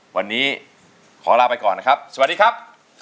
วันนี้ขอลาไปก่อนนะครับสวัสดีครับ